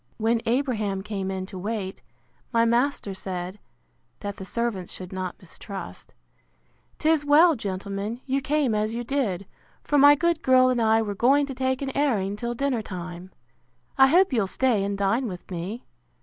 When Abraham came in to wait, my master said, (that the servants should not mistrust,) 'Tis well, gentlemen, you came as you did; for my good girl and I were going to take an airing till dinner time. I hope you'll stay and dine with me.